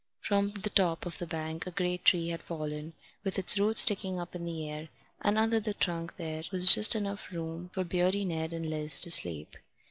From the top of the bank a great tree had fallen, with its roots sticking up in the air, and under the trunk there was just room enough for Beardy Ned and Liz to sleep.